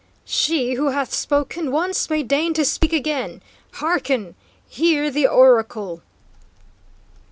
"She who hath spoken once may deign to speak again. Harken, hear the oracle!"